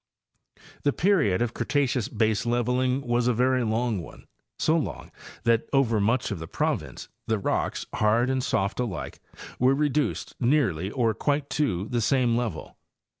The period of Cretaceous baseleveling was a very long one—so long that over much of the province the rocks, hard and soft alike, were reduced nearly or quite to the same level.